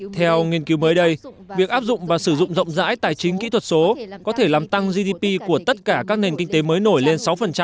theo nghiên cứu mới đây việc áp dụng và sử dụng rộng rãi tài chính kỹ thuật số có thể làm tăng gdp của tất cả các nền kinh tế mới nổi lên sáu